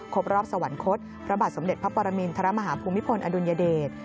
ครบรอบสวรรคตพระบาทสมเด็จพระปรมินทรมาฮาภูมิพลอดุลยเดช